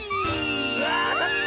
うわあたった！